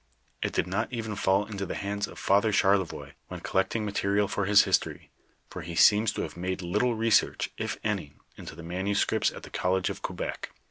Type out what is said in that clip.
It did not even fall into the hands of Father Charlevoix when collecting material for his history, for he seems to have made little research if any into the nmnuscriptb tt the college of Quebec.